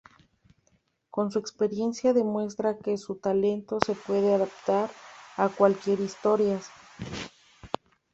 Con su experiencia demuestra que su talento se puede adaptar a cualquier historia.